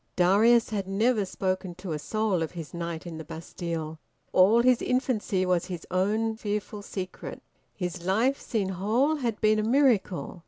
Darius had never spoken to a soul of his night in the Bastille. All his infancy was his own fearful secret. His life, seen whole, had been a miracle.